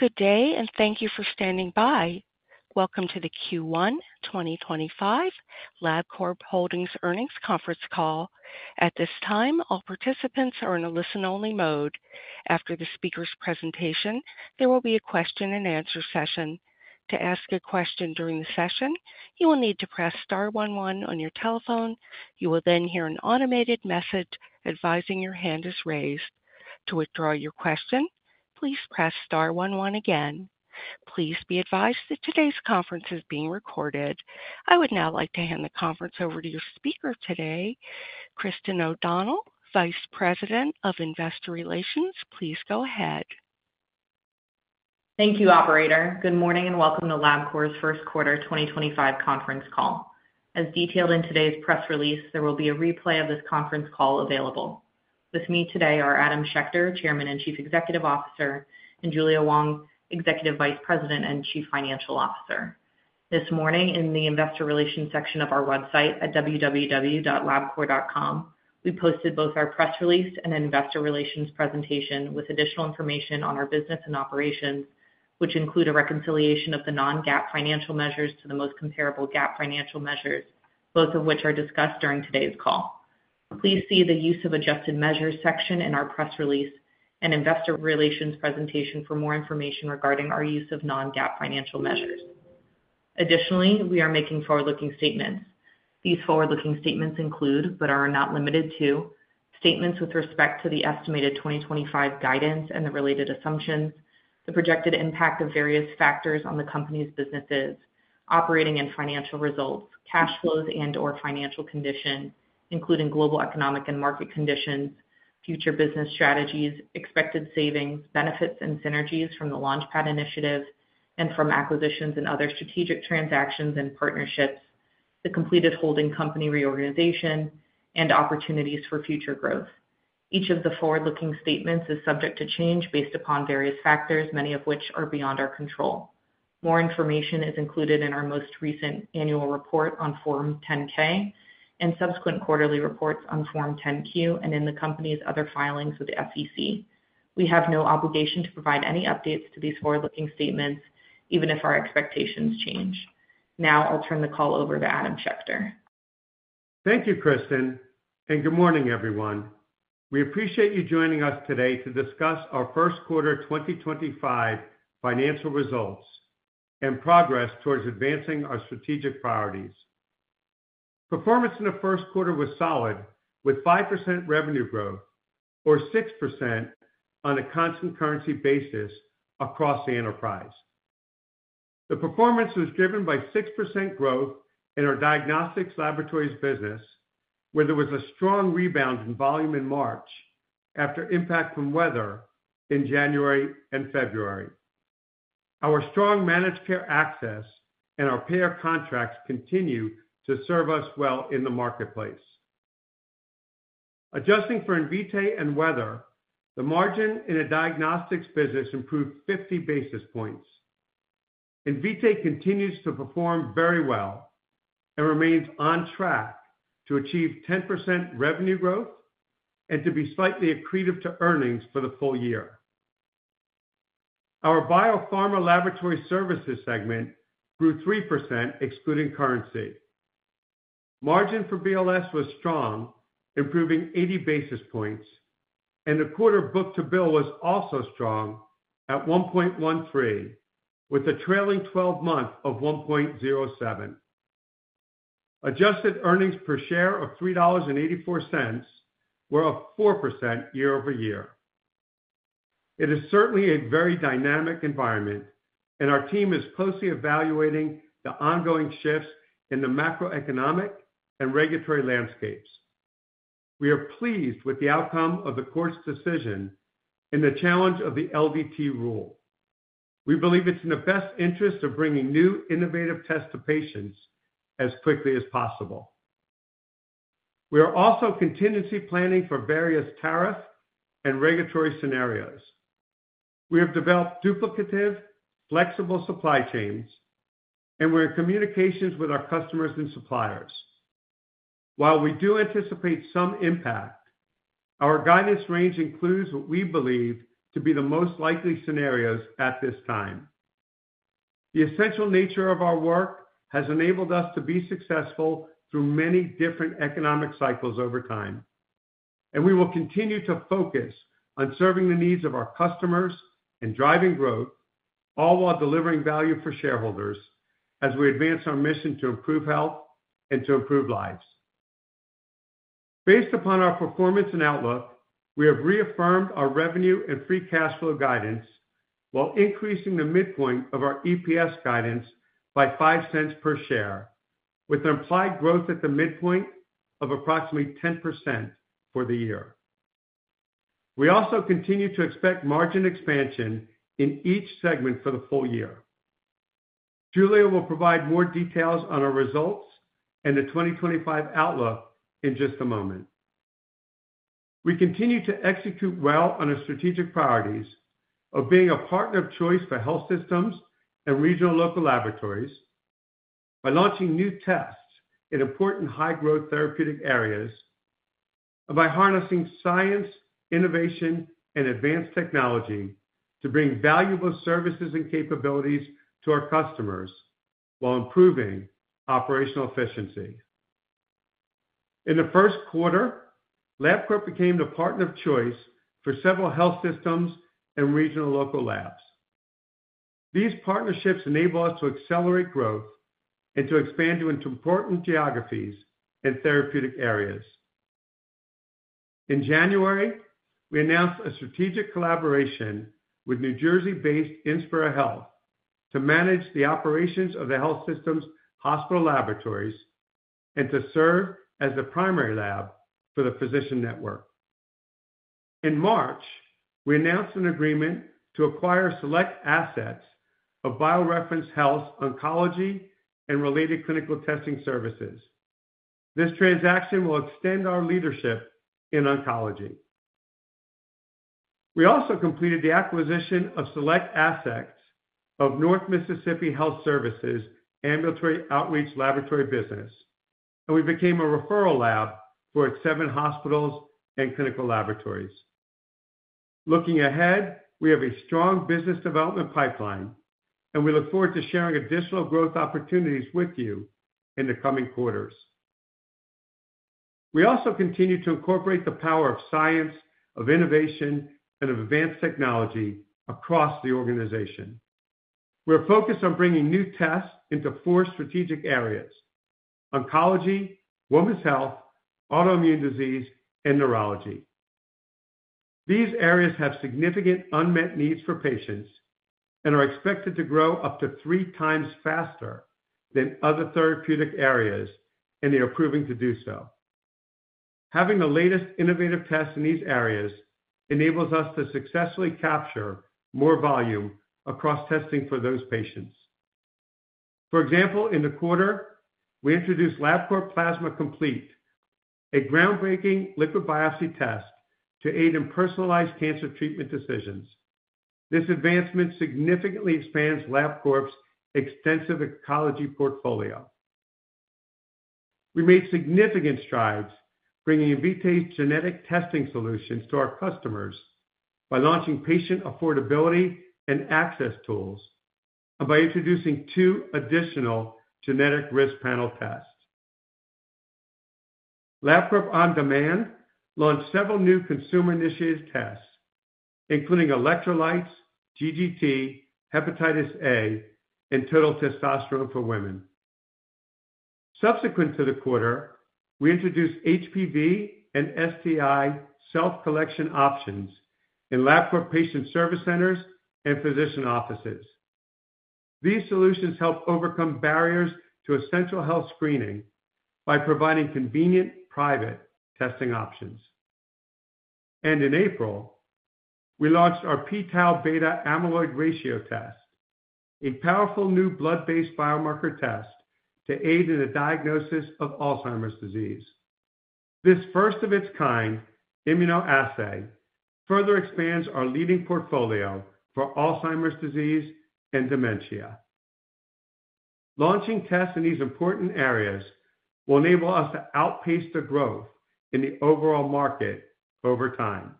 Good day, and thank you for standing by. Welcome to the Q1 2025 Labcorp Holdings earnings conference call. At this time, all participants are in a listen-only mode. After the speaker's presentation, there will be a question-and-answer session. To ask a question during the session, you will need to press star one one on your telephone. You will then hear an automated message advising your hand is raised. To withdraw your question, please press star one one again. Please be advised that today's conference is being recorded. I would now like to hand the conference over to your speaker today, Christin O'Donnell, Vice President of Investor Relations. Please go ahead. Thank you, Operator. Good morning and welcome to Labcorp's first quarter 2025 conference call. As detailed in today's press release, there will be a replay of this conference call available. With me today are Adam Schechter, Chairman and Chief Executive Officer, and Julia Wang, Executive Vice President and Chief Financial Officer. This morning, in the Investor Relations section of our website at www.Labcorp.com, we posted both our press release and investor relations presentation with additional information on our business and operations, which include a reconciliation of the non-GAAP financial measures to the most comparable GAAP financial measures, both of which are discussed during today's call. Please see the use of adjusted measures section in our press release and investor relations presentation for more information regarding our use of non-GAAP financial measures. Additionally, we are making forward-looking statements. These forward-looking statements include, but are not limited to, statements with respect to the estimated 2025 guidance and the related assumptions, the projected impact of various factors on the company's businesses, operating and financial results, cash flows and/or financial condition, including global economic and market conditions, future business strategies, expected savings, benefits and synergies from the LaunchPad Initiative, and from acquisitions and other strategic transactions and partnerships, the completed holding company reorganization, and opportunities for future growth. Each of the forward-looking statements is subject to change based upon various factors, many of which are beyond our control. More information is included in our most recent annual report on Form 10-K and subsequent quarterly reports on Form 10-Q and in the company's other filings with the SEC. We have no obligation to provide any updates to these forward-looking statements, even if our expectations change. Now I'll turn the call over to Adam Schechter. Thank you, Christin, and good morning, everyone. We appreciate you joining us today to discuss our first quarter 2025 financial results and progress towards advancing our strategic priorities. Performance in the first quarter was solid, with 5% revenue growth or 6% on a constant currency basis across the enterprise. The performance was driven by 6% growth in our diagnostics laboratories business, where there was a strong rebound in volume in March after impact from weather in January and February. Our strong managed care access and our payer contracts continue to serve us well in the marketplace. Adjusting for Invitae and weather, the margin in our diagnostics business improved 50 basis points. Invitae continues to perform very well and remains on track to achieve 10% revenue growth and to be slightly accretive to earnings for the full year. Our biopharma laboratory services segment grew 3%, excluding currency. Margin for BLS was strong, improving 80 basis points, and the quarter Book-to-Bill was also strong at 1.13%, with a trailing 12-month of 1.07%. Adjusted earnings per share of $3.84 were up 4% year-over-year. It is certainly a very dynamic environment, and our team is closely evaluating the ongoing shifts in the macroeconomic and regulatory landscapes. We are pleased with the outcome of the court's decision in the challenge of the LDT rule. We believe it's in the best interest of bringing new innovative tests to patients as quickly as possible. We are also contingency planning for various tariff and regulatory scenarios. We have developed duplicative, flexible supply chains, and we're in communications with our customers and suppliers. While we do anticipate some impact, our guidance range includes what we believe to be the most likely scenarios at this time. The essential nature of our work has enabled us to be successful through many different economic cycles over time, and we will continue to focus on serving the needs of our customers and driving growth, all while delivering value for shareholders as we advance our mission to improve health and to improve lives. Based upon our performance and outlook, we have reaffirmed our revenue and free cash flow guidance while increasing the midpoint of our EPS guidance by $0.05 per share, with implied growth at the midpoint of approximately 10% for the year. We also continue to expect margin expansion in each segment for the full year. Julia will provide more details on our results and the 2025 outlook in just a moment. We continue to execute well on our strategic priorities of being a partner of choice for health systems and regional local laboratories by launching new tests in important high-growth therapeutic areas and by harnessing science, innovation, and advanced technology to bring valuable services and capabilities to our customers while improving operational efficiency. In the first quarter, Labcorp became the partner of choice for several health systems and regional local labs. These partnerships enable us to accelerate growth and to expand into important geographies and therapeutic areas. In January, we announced a strategic collaboration with New Jersey-based Inspira Health to manage the operations of the health system's hospital laboratories and to serve as the primary lab for the physician network. In March, we announced an agreement to acquire select assets of BioReference Health's oncology and related clinical testing services. This transaction will extend our leadership in oncology. We also completed the acquisition of select assets of North Mississippi Health Services Ambulatory Outreach Laboratory business, and we became a referral lab for its seven hospitals and clinical laboratories. Looking ahead, we have a strong business development pipeline, and we look forward to sharing additional growth opportunities with you in the coming quarters. We also continue to incorporate the power of science, of innovation, and of advanced technology across the organization. We're focused on bringing new tests into four strategic areas: oncology, women's health, autoimmune disease, and neurology. These areas have significant unmet needs for patients and are expected to grow up to three times faster than other therapeutic areas and they are proving to do so. Having the latest innovative tests in these areas enables us to successfully capture more volume across testing for those patients. For example, in the quarter, we introduced Labcorp Plasma Complete, a groundbreaking liquid biopsy test to aid in personalized cancer treatment decisions. This advancement significantly expands Labcorp's extensive oncology portfolio. We made significant strides bringing Invitae's genetic testing solutions to our customers by launching patient affordability and access tools and by introducing two additional genetic risk panel tests. Labcorp OnDemand launched several new consumer-initiated tests, including electrolytes, GGT, hepatitis A, and total testosterone for women. Subsequent to the quarter, we introduced HPV and STI Self-Collection Options in Labcorp patient service centers and physician offices. These solutions help overcome barriers to essential health screening by providing convenient private testing options. In April, we launched our p-Tau Beta Amyloid ratio test, a powerful new blood-based biomarker test to aid in the diagnosis of Alzheimer's disease. This first-of-its-kind immunoassay further expands our leading portfolio for Alzheimer's disease and dementia. Launching tests in these important areas will enable us to outpace the growth in the overall market over time.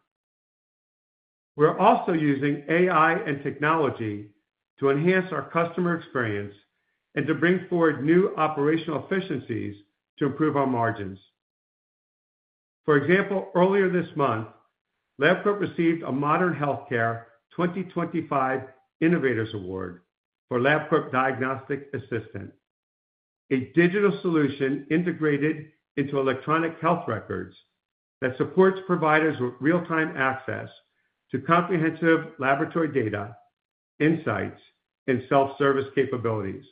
We're also using AI and technology to enhance our customer experience and to bring forward new operational efficiencies to improve our margins. For example, earlier this month, Labcorp received a Modern Healthcare 2025 Innovators Award for Labcorp Diagnostic Assistant, a digital solution integrated into electronic health records that supports providers with real-time access to comprehensive laboratory data, insights, and self-service capabilities.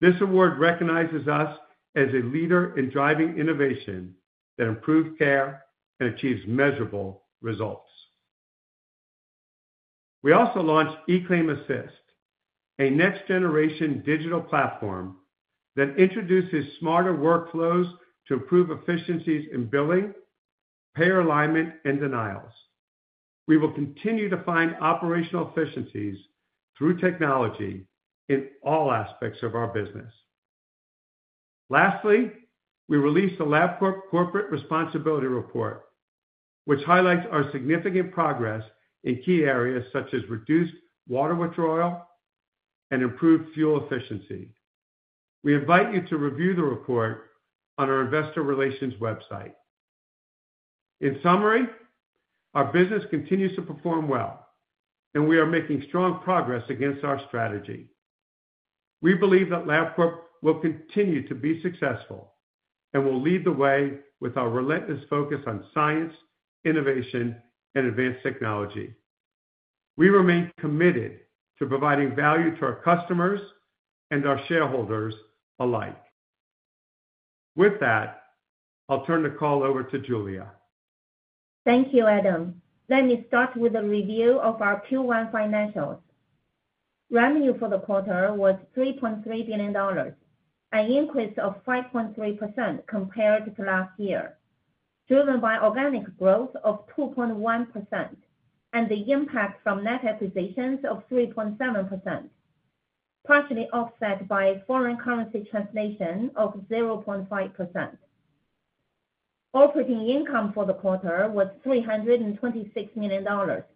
This award recognizes us as a leader in driving innovation that improves care and achieves measurable results. We also launched eClaim Assist, a next-generation digital platform that introduces smarter workflows to improve efficiencies in billing, payer alignment, and denials. We will continue to find operational efficiencies through technology in all aspects of our business. Lastly, we released the Labcorp Corporate Responsibility Report, which highlights our significant progress in key areas such as reduced water withdrawal and improved fuel efficiency. We invite you to review the report on our investor relations website. In summary, our business continues to perform well, and we are making strong progress against our strategy. We believe that Labcorp will continue to be successful and will lead the way with our relentless focus on science, innovation, and advanced technology. We remain committed to providing value to our customers and our shareholders alike. With that, I'll turn the call over to Julia. Thank you, Adam. Let me start with a review of our Q1 financials. Revenue for the quarter was $3.3 billion, an increase of 5.3% compared to last year, driven by organic growth of 2.1% and the impact from net acquisitions of 3.7%, partially offset by foreign currency translation of 0.5%. Operating income for the quarter was $326 million, or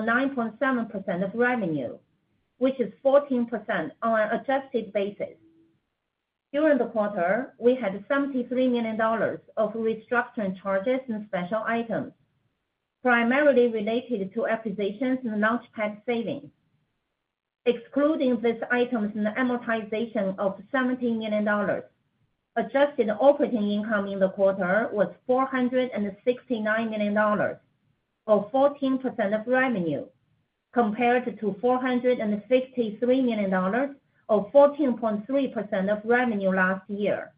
9.7% of revenue, which is 14% on an adjusted basis. During the quarter, we had $73 million of restructuring charges and special items, primarily related to acquisitions and LaunchPad savings. Excluding these items and amortization of $17 million, adjusted operating income in the quarter was $469 million, or 14% of revenue, compared to $453 million, or 14.3% of revenue last year.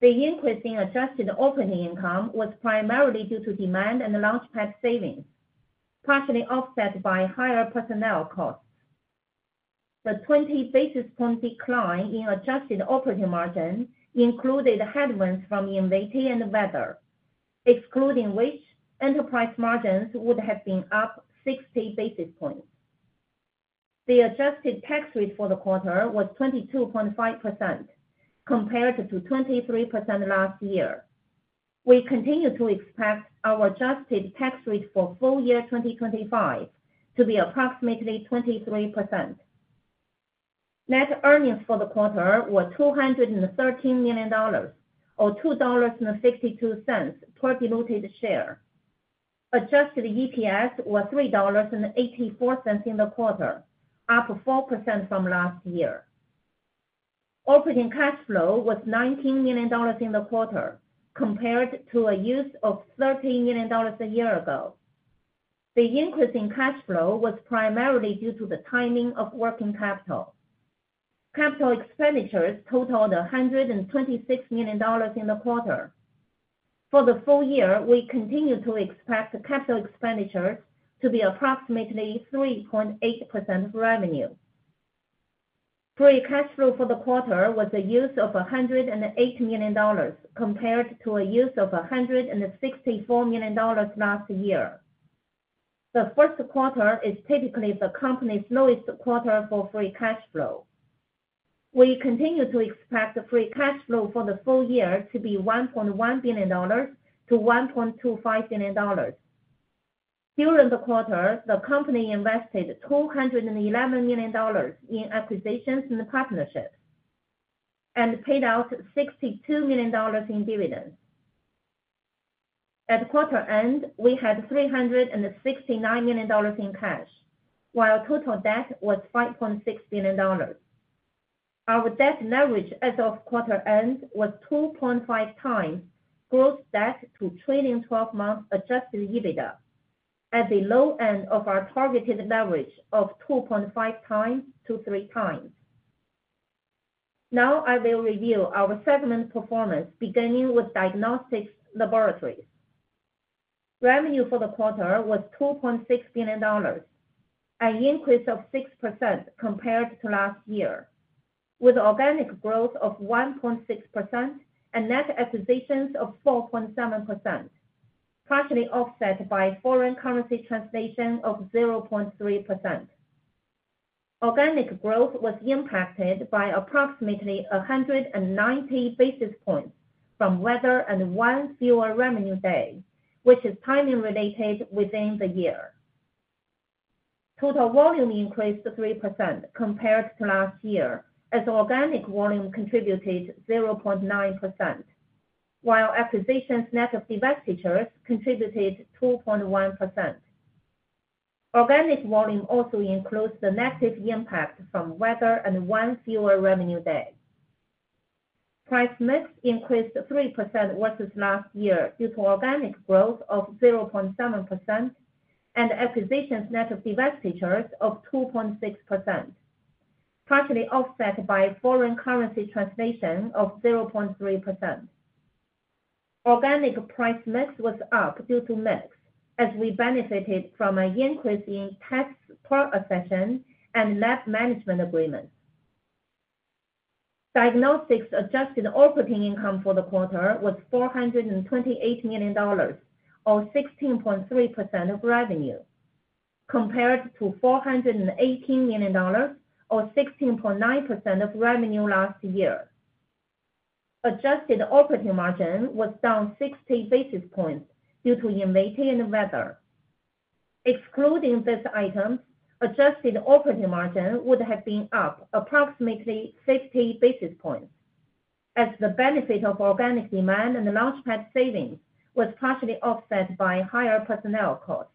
The increase in adjusted operating income was primarily due to demand and LaunchPad savings, partially offset by higher personnel costs. The 20 basis point decline in adjusted operating margin included headwinds from Invitae and weather, excluding which enterprise margins would have been up 60 basis points. The adjusted tax rate for the quarter was 22.5%, compared to 23% last year. We continue to expect our adjusted tax rate for full year 2025 to be approximately 23%. Net earnings for the quarter were $213 million, or $2.62 per diluted share. Adjusted EPS was $3.84 in the quarter, up 4% from last year. Operating cash flow was $19 million in the quarter, compared to a use of $30 million a year ago. The increase in cash flow was primarily due to the timing of working capital. Capital expenditures totaled $126 million in the quarter. For the full year, we continue to expect capital expenditures to be approximately 3.8% of revenue. Free cash flow for the quarter was a use of $108 million, compared to a use of $164 million last year. The first quarter is typically the company's lowest quarter for free cash flow. We continue to expect free cash flow for the full year to be $1.1 billion-$1.25 billion. During the quarter, the company invested $211 million in acquisitions and partnerships and paid out $62 million in dividends. At quarter end, we had $369 million in cash, while total debt was $5.6 billion. Our debt leverage as of quarter end was 2.5 times gross debt to trailing 12-month adjusted EBITDA, at the low end of our targeted leverage of 2.5×-3×. Now I will review our segment performance, beginning with diagnostics laboratories. Revenue for the quarter was $2.6 billion, an increase of 6% compared to last year, with organic growth of 1.6% and net acquisitions of 4.7%, partially offset by foreign currency translation of 0.3%. Organic growth was impacted by approximately 190 basis points from weather and one fewer revenue day, which is timing-related within the year. Total volume increased 3% compared to last year, as organic volume contributed 0.9%, while acquisitions' net of divestitures contributed 2.1%. Organic volume also includes the negative impact from weather and one fewer revenue day. Price mix increased 3% versus last year due to organic growth of 0.7% and acquisitions' net of divestitures of 2.6%, partially offset by foreign currency translation of 0.3%. Organic price mix was up due to mix, as we benefited from an increase in tax per accession and lab management agreements. Diagnostics adjusted operating income for the quarter was $428 million, or 16.3% of revenue, compared to $418 million, or 16.9% of revenue last year. Adjusted operating margin was down 60 basis points due to Invitae and weather. Excluding these items, adjusted operating margin would have been up approximately 50 basis points, as the benefit of organic demand and LaunchPad savings was partially offset by higher personnel costs.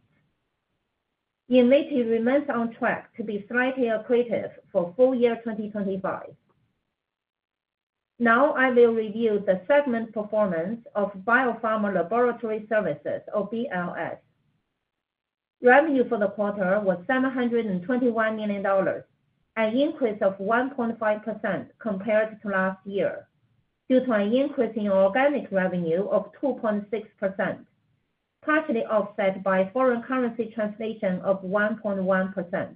Invitae remains on track to be slightly accretive for full year 2025. Now I will review the segment performance of Biopharma Laboratory Services, or BLS. Revenue for the quarter was $721 million, an increase of 1.5% compared to last year, due to an increase in organic revenue of 2.6%, partially offset by foreign currency translation of 1.1%.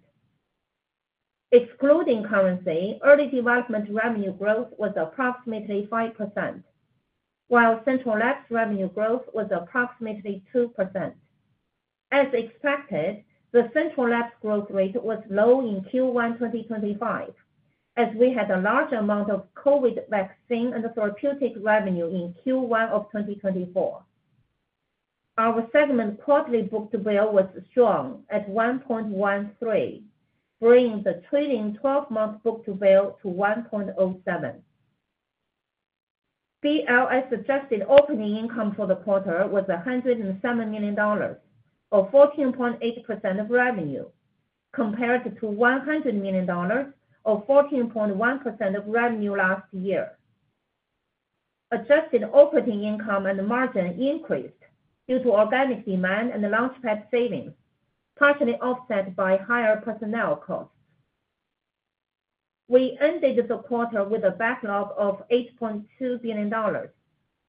Excluding currency, early development revenue growth was approximately 5%, while central labs revenue growth was approximately 2%. As expected, the central labs growth rate was low in Q1 2025, as we had a large amount of COVID vaccine and therapeutic revenue in Q1 of 2024. Our segment quarterly Book-to-Bill was strong at 1.13, bringing the trailing 12-month Book-to-Bill to 1.07. BLS adjusted operating income for the quarter was $107 million, or 14.8% of revenue, compared to $100 million, or 14.1% of revenue last year. Adjusted operating income and margin increased due to organic demand and LaunchPad savings, partially offset by higher personnel costs. We ended the quarter with a backlog of $8.2 billion,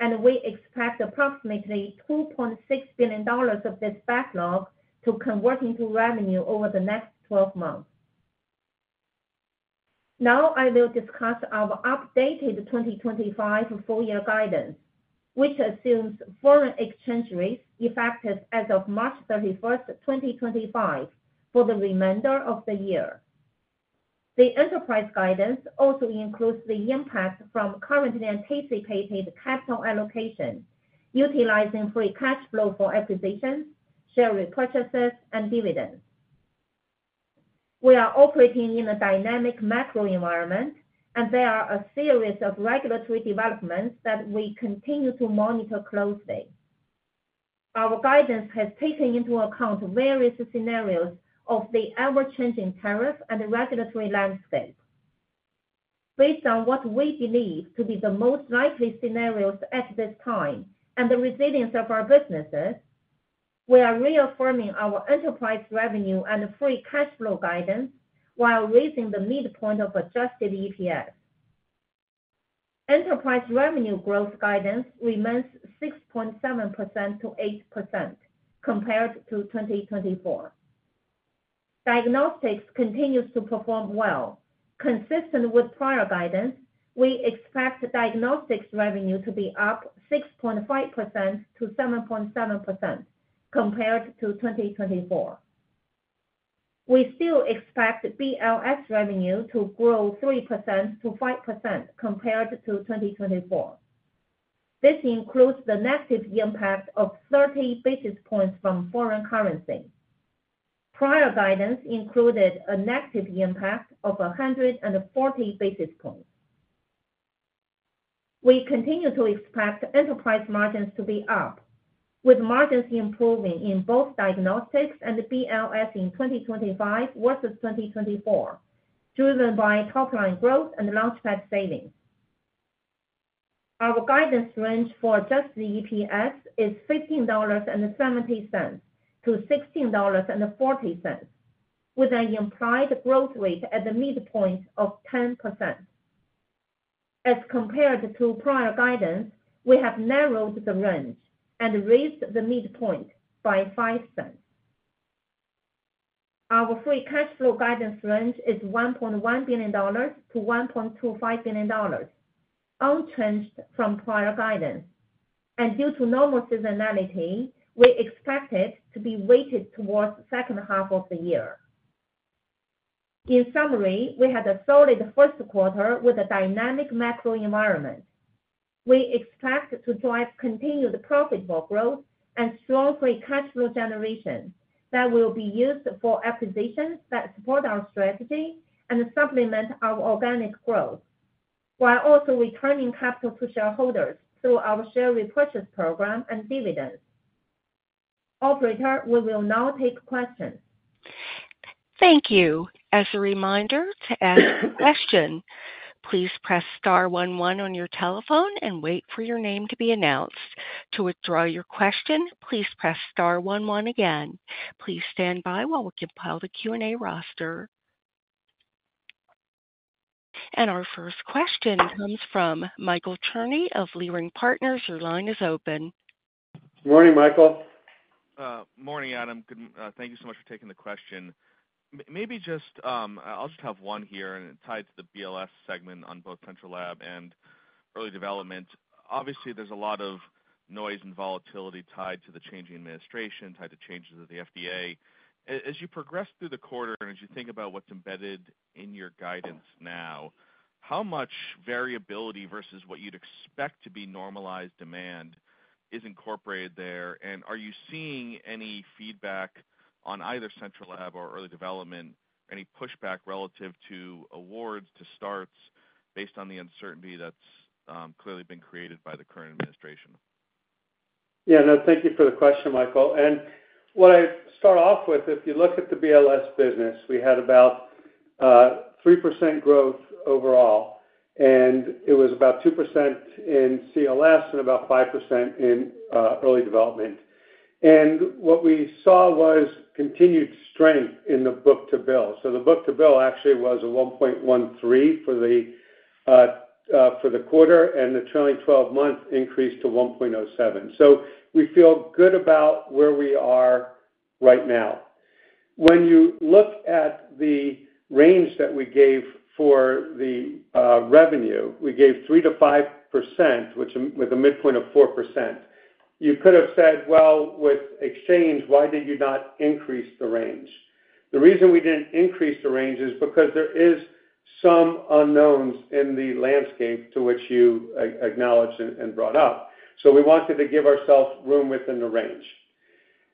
and we expect approximately $2.6 billion of this backlog to convert into revenue over the next 12 months. Now I will discuss our updated 2025 full-year guidance, which assumes foreign exchange rates effective as of March 31st, 2025, for the remainder of the year. The enterprise guidance also includes the impact from currently anticipated capital allocation, utilizing free cash flow for acquisitions, share repurchases, and dividends. We are operating in a dynamic macro environment, and there are a series of regulatory developments that we continue to monitor closely. Our guidance has taken into account various scenarios of the ever-changing tariffs and regulatory landscape. Based on what we believe to be the most likely scenarios at this time and the resilience of our businesses, we are reaffirming our enterprise revenue and free cash flow guidance while raising the midpoint of adjusted EPS. Enterprise revenue growth guidance remains 6.7%-8% compared to 2024. Diagnostics continues to perform well. Consistent with prior guidance, we expect diagnostics revenue to be up 6.5%-7.7% compared to 2024. We still expect BLS revenue to grow 3%-5% compared to 2024. This includes the negative impact of 30 basis points from foreign currency. Prior guidance included a negative impact of 140 basis points. We continue to expect enterprise margins to be up, with margins improving in both diagnostics and BLS in 2025 versus 2024, driven by top-line growth and LaunchPad savings. Our guidance range for adjusted EPS is $15.70-$16.40, with an implied growth rate at the midpoint of 10%. As compared to prior guidance, we have narrowed the range and raised the midpoint by 5%. Our free cash flow guidance range is $1.1 billion-$1.25 billion, unchanged from prior guidance, and due to normal seasonality, we expect it to be weighted towards the second half of the year. In summary, we had a solid first quarter with a dynamic macro environment. We expect to drive continued profitable growth and strong free cash flow generation that will be used for acquisitions that support our strategy and supplement our organic growth, while also returning capital to shareholders through our share repurchase program and dividends. Operator, we will now take questions. Thank you. As a reminder to ask a question, please press star one one on your telephone and wait for your name to be announced. To withdraw your question, please press star one one again. Please stand by while we compile the Q&A roster. Our first question comes from Michael Cherny of Leerink Partners. Your line is open. Good morning, Michael. Morning, Adam. Thank you so much for taking the question. Maybe just I'll just have one here, and it's tied to the BLS segment on both central lab and early development. Obviously, there's a lot of noise and volatility tied to the changing administration, tied to changes of the FDA. As you progress through the quarter and as you think about what's embedded in your guidance now, how much variability versus what you'd expect to be normalized demand is incorporated there? Are you seeing any feedback on either central lab or early development, any pushback relative to awards to starts based on the uncertainty that's clearly been created by the current administration? Yeah, no, thank you for the question, Michael. What I start off with, if you look at the BLS business, we had about 3% growth overall, and it was about 2% in CLS and about 5% in early development. What we saw was continued strength in the Book-to-Bill. The Book-to-Bill actually was a 1.13% for the quarter, and the trailing 12-month increased to 1.07%. We feel good about where we are right now. When you look at the range that we gave for the revenue, we gave 3%-5%, with a midpoint of 4%. You could have said, "Well, with exchange, why did you not increase the range?" The reason we did not increase the range is because there are some unknowns in the landscape to which you acknowledged and brought up. We wanted to give ourselves room within the range.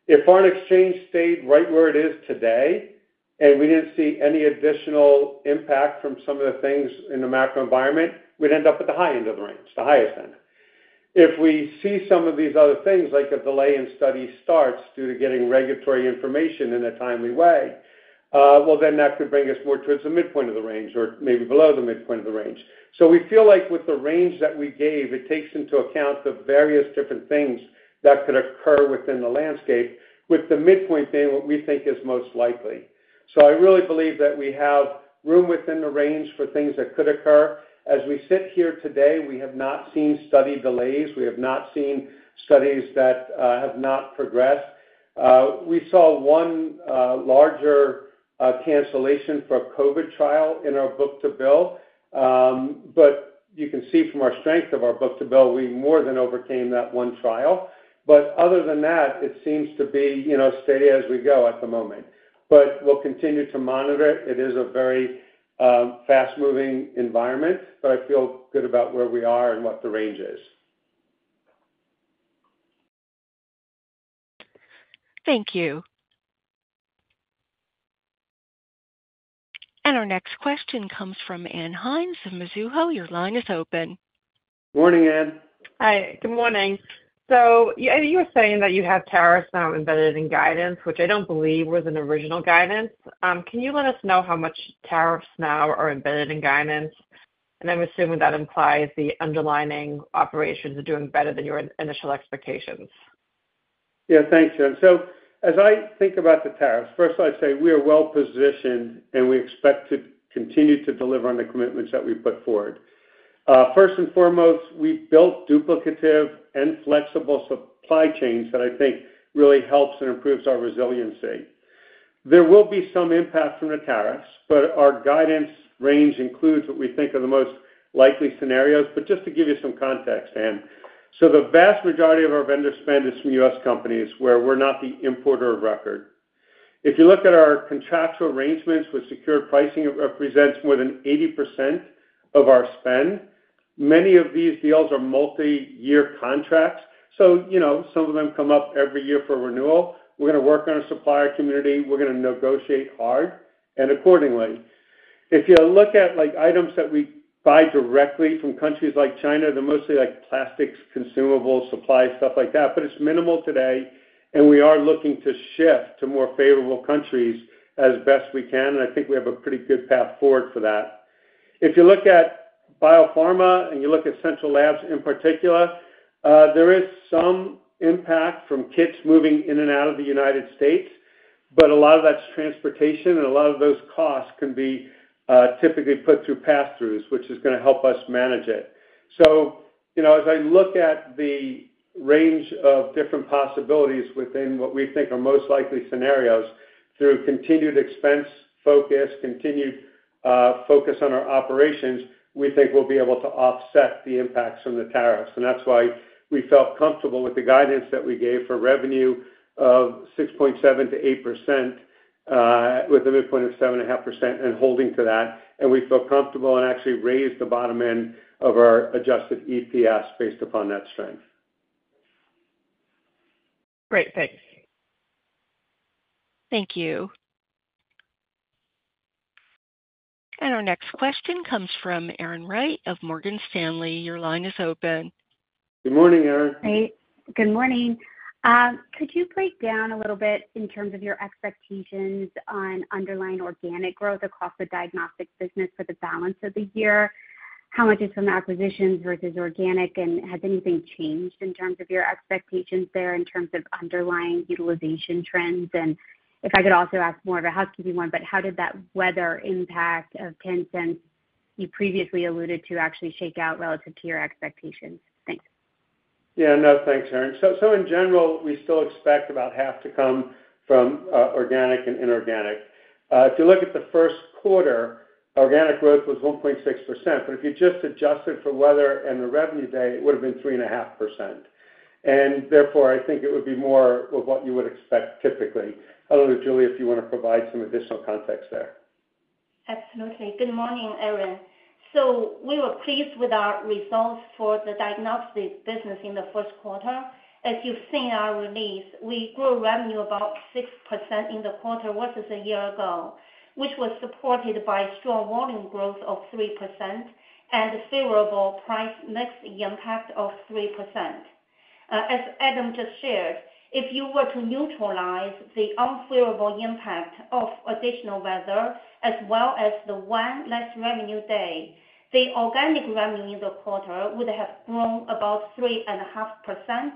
If our exchange stayed right where it is today and we did not see any additional impact from some of the things in the macro environment, we would end up at the high end of the range, the highest end. If we see some of these other things, like a delay in study starts due to getting regulatory information in a timely way, that could bring us more towards the midpoint of the range or maybe below the midpoint of the range. We feel like with the range that we gave, it takes into account the various different things that could occur within the landscape, with the midpoint being what we think is most likely. I really believe that we have room within the range for things that could occur. As we sit here today, we have not seen study delays. We have not seen studies that have not progressed. We saw one larger cancellation for a COVID trial in our Book-to-Bill, but you can see from our strength of our Book-to-Bill, we more than overcame that one trial. Other than that, it seems to be steady as we go at the moment. We will continue to monitor it. It is a very fast-moving environment, but I feel good about where we are and what the range is. Thank you. Our next question comes from Ann Hynes of Mizuho. Your line is open. Morning, Anne. Hi. Good morning. You were saying that you have tariffs now embedded in guidance, which I do not believe was in original guidance. Can you let us know how much tariffs now are embedded in guidance? I am assuming that implies the underlining operations are doing better than your initial expectations. Yeah, thanks, Anne. As I think about the tariffs, first, I'd say we are well-positioned, and we expect to continue to deliver on the commitments that we put forward. First and foremost, we built duplicative and flexible supply chains that I think really helps and improves our resiliency. There will be some impact from the tariffs, but our guidance range includes what we think are the most likely scenarios. Just to give you some context, Anne, the vast majority of our vendor spend is from U.S. companies where we're not the importer of record. If you look at our contractual arrangements with secured pricing, it represents more than 80% of our spend. Many of these deals are multi-year contracts, so some of them come up every year for renewal. We're going to work on our supplier community. We're going to negotiate hard and accordingly. If you look at items that we buy directly from countries like China, they're mostly plastics, consumables, supplies, stuff like that, but it's minimal today, and we are looking to shift to more favorable countries as best we can, and I think we have a pretty good path forward for that. If you look at biopharma and you look at central labs in particular, there is some impact from kits moving in and out of the United States, but a lot of that's transportation, and a lot of those costs can be typically put through pass-throughs, which is going to help us manage it. As I look at the range of different possibilities within what we think are most likely scenarios through continued expense focus, continued focus on our operations, we think we'll be able to offset the impacts from the tariffs. That is why we felt comfortable with the guidance that we gave for revenue of 6.7%-8% with a midpoint of 7.5% and holding to that. We feel comfortable and actually raised the bottom end of our adjusted EPS based upon that strength. Great. Thanks. Thank you. Our next question comes from Erin Wright of Morgan Stanley. Your line is open. Good morning, Erin. Hi. Good morning. Could you break down a little bit in terms of your expectations on underlying organic growth across the diagnostics business for the balance of the year? How much is from acquisitions versus organic, and has anything changed in terms of your expectations there in terms of underlying utilization trends? If I could also ask more of a housekeeping one, how did that weather impact of $0.10 you previously alluded to actually shake out relative to your expectations? Thanks. Yeah, no, thanks, Erin. In general, we still expect about half to come from organic and inorganic. If you look at the first quarter, organic growth was 1.6%, but if you just adjusted for weather and the revenue day, it would have been 3.5%. Therefore, I think it would be more of what you would expect typically. I don't know, Julia, if you want to provide some additional context there. Absolutely. Good morning, Erin. We were pleased with our results for the diagnostics business in the first quarter. As you've seen in our release, we grew revenue about 6% in the quarter versus a year ago, which was supported by strong volume growth of 3% and favorable price mix impact of 3%. As Adam just shared, if you were to neutralize the unfavorable impact of additional weather as well as the one less revenue day, the organic revenue in the quarter would have grown about 3.5%,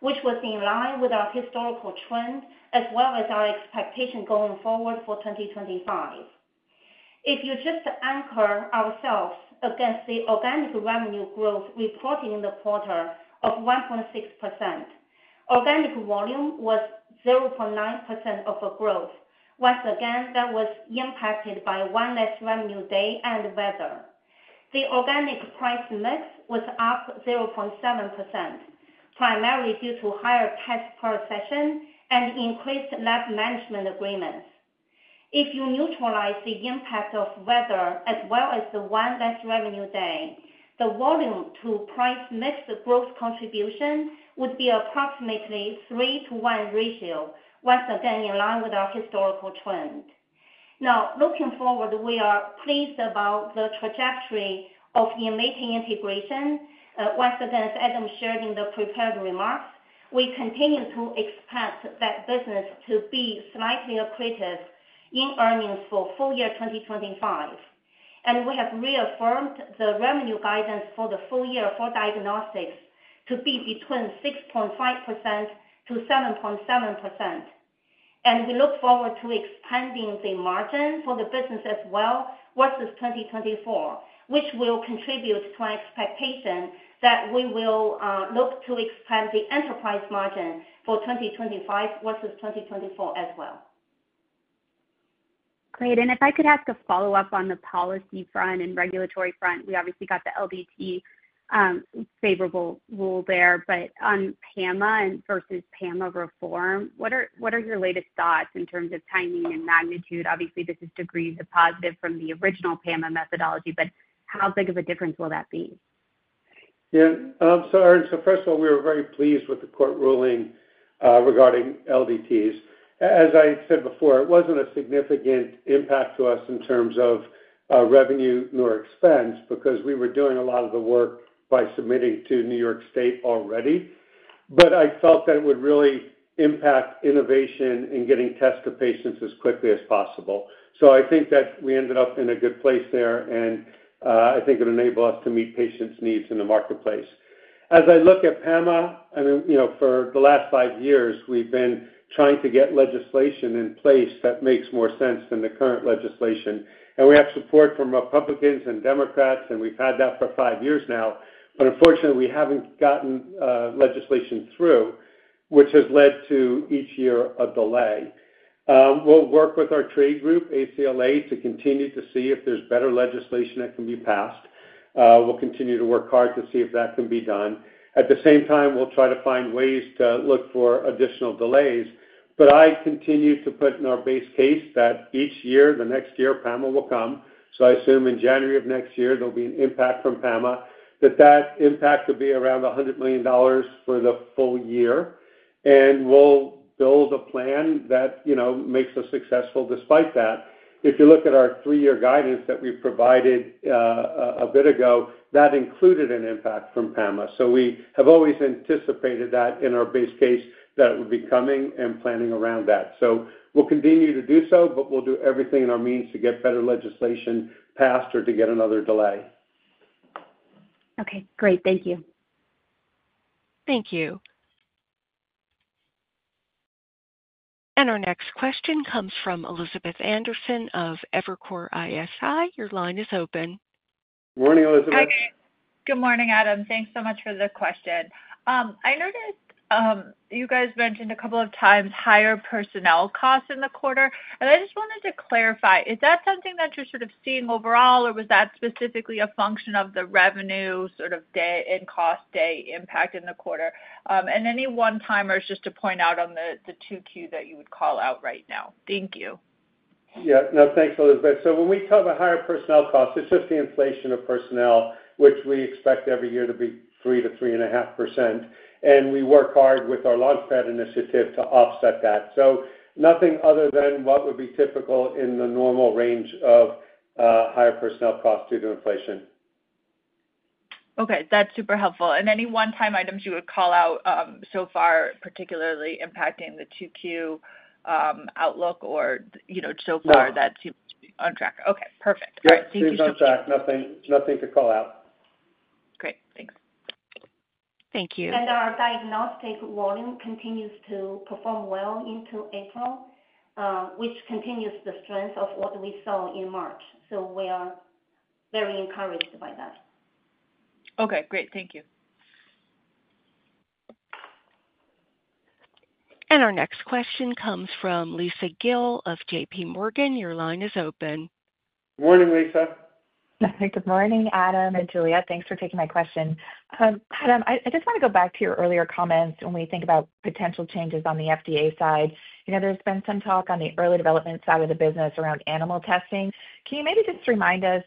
which was in line with our historical trend as well as our expectation going forward for 2025. If you just anchor ourselves against the organic revenue growth reported in the quarter of 1.6%, organic volume was 0.9% of the growth. Once again, that was impacted by one less revenue day and weather. The organic price mix was up 0.7%, primarily due to higher tests per session and increased lab management agreements. If you neutralize the impact of weather as well as the one less revenue day, the volume to price mix growth contribution would be approximately 3-1 ratio, once again in line with our historical trend. Now, looking forward, we are pleased about the trajectory of the mating integration. Once again, as Adam shared in the prepared remarks, we continue to expect that business to be slightly accretive in earnings for full year 2025. We have reaffirmed the revenue guidance for the full year for diagnostics to be between 6.5%-7.7%. We look forward to expanding the margin for the business as well versus 2024, which will contribute to our expectation that we will look to expand the enterprise margin for 2025 versus 2024 as well. Great. If I could ask a follow-up on the policy front and regulatory front, we obviously got the LDT favorable rule there, but on PAMA versus PAMA reform, what are your latest thoughts in terms of timing and magnitude? Obviously, this is degrees of positive from the original PAMA methodology, but how big of a difference will that be? Yeah. Erin, first of all, we were very pleased with the court ruling regarding LDTs. As I said before, it was not a significant impact to us in terms of revenue nor expense because we were doing a lot of the work by submitting to New York State already, but I felt that it would really impact innovation in getting tests to patients as quickly as possible. I think that we ended up in a good place there, and I think it enabled us to meet patients' needs in the marketplace. As I look at PAMA, I mean, for the last five years, we've been trying to get legislation in place that makes more sense than the current legislation. We have support from Republicans and Democrats, and we've had that for five years now, but unfortunately, we haven't gotten legislation through, which has led to each year a delay. We'll work with our trade group, ACLA, to continue to see if there's better legislation that can be passed. We'll continue to work hard to see if that can be done. At the same time, we'll try to find ways to look for additional delays. I continue to put in our base case that each year, the next year, PAMA will come. I assume in January of next year, there'll be an impact from PAMA, that that impact will be around $100 million for the full year. We'll build a plan that makes us successful despite that. If you look at our three-year guidance that we provided a bit ago, that included an impact from PAMA. We have always anticipated that in our base case that it would be coming and planning around that. We will continue to do so, but we will do everything in our means to get better legislation passed or to get another delay. Okay. Great. Thank you. Thank you. Our next question comes from Elizabeth Anderson of Evercore ISI. Your line is open. Good morning, Elizabeth. Hi. Good morning, Adam. Thanks so much for the question. I noticed you guys mentioned a couple of times higher personnel costs in the quarter, and I just wanted to clarify. Is that something that you're sort of seeing overall, or was that specifically a function of the revenue sort of day and cost day impact in the quarter? Any one-timers just to point out on the 2Q that you would call out right now? Thank you. Yeah. No, thanks, Elizabeth. When we talk about higher personnel costs, it's just the inflation of personnel, which we expect every year to be 3%-3.5%. We work hard with our LaunchPad initiative to offset that. Nothing other than what would be typical in the normal range of higher personnel costs due to inflation. Okay. That's super helpful. Any one-time items you would call out so far, particularly impacting the 2Q outlook or so far that seems to be on track? No. Okay. Perfect. Thank you so much. No, nothing to call out. Great. Thanks. Thank you. Our diagnostic volume continues to perform well into April, which continues the strength of what we saw in March. We are very encouraged by that. Okay. Great. Thank you. Our next question comes from Lisa Gill of JP Morgan. Your line is open. Good morning, Lisa. Good morning, Adam and Julia. Thanks for taking my question. Adam, I just want to go back to your earlier comments when we think about potential changes on the FDA side. There's been some talk on the early development side of the business around animal testing. Can you maybe just remind us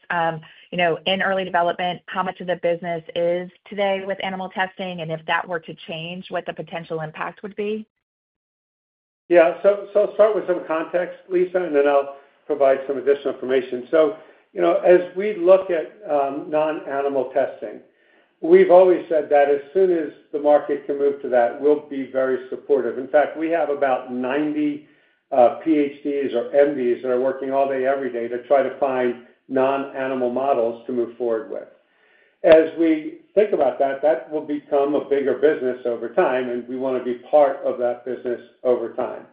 in early development how much of the business is today with animal testing and if that were to change, what the potential impact would be? Yeah. I'll start with some context, Lisa, and then I'll provide some additional information. As we look at non-animal testing, we've always said that as soon as the market can move to that, we'll be very supportive. In fact, we have about 90 PhDs or MDs that are working all day, every day to try to find non-animal models to move forward with. As we think about that, that will become a bigger business over time, and we want to be part of that business over time.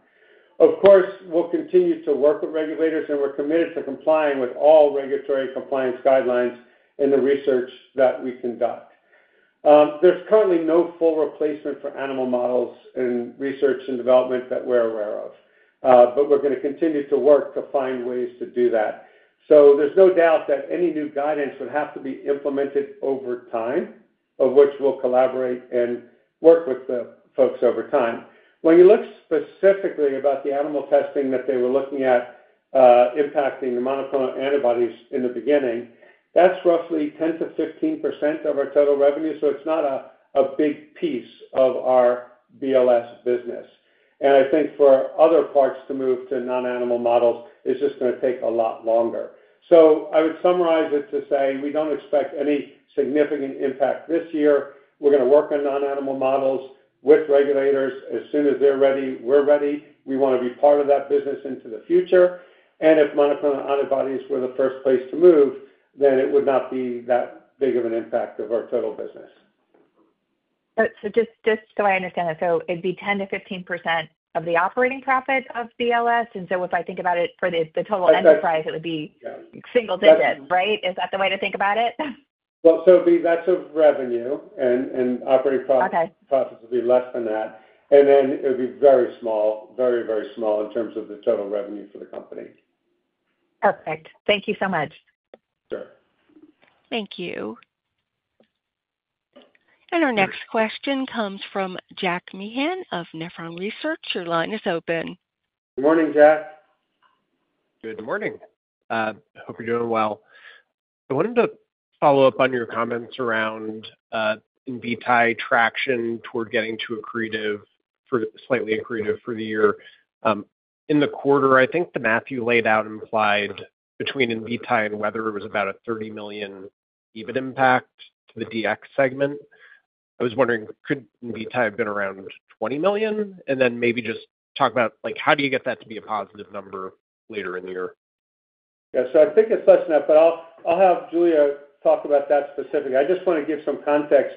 Of course, we'll continue to work with regulators, and we're committed to complying with all regulatory compliance guidelines in the research that we conduct. There's currently no full replacement for animal models in research and development that we're aware of, but we're going to continue to work to find ways to do that. There is no doubt that any new guidance would have to be implemented over time, of which we'll collaborate and work with the folks over time. When you look specifically about the animal testing that they were looking at impacting the monoclonal antibodies in the beginning, that's roughly 10%-15% of our total revenue, so it's not a big piece of our BLS business. I think for other parts to move to non-animal models, it's just going to take a lot longer. I would summarize it to say we don't expect any significant impact this year. We're going to work on non-animal models with regulators. As soon as they're ready, we're ready. We want to be part of that business into the future. If monoclonal antibodies were the first place to move, then it would not be that big of an impact of our total business. Just so I understand, it'd be 10%-15% of the operating profit of BLS, and if I think about it for the total enterprise, it would be single digits, right? Is that the way to think about it? That is of revenue, and operating profits would be less than that. It would be very small, very, very small in terms of the total revenue for the company. Perfect. Thank you so much. Sure. Thank you. Our next question comes from Jack Meehan of Nephron Research. Your line is open. Good morning, Jack. Good morning. Hope you're doing well. I wanted to follow up on your comments around Invitae traction toward getting to a slightly accretive for the year. In the quarter, I think the math you laid out implied between Invitae and weather it was about a $30 million EBITDA impact to the DX segment. I was wondering, could Invitae have been around $20 million? Then maybe just talk about how do you get that to be a positive number later in the year? Yeah. I think it's less than that, but I'll have Julia talk about that specifically. I just want to give some context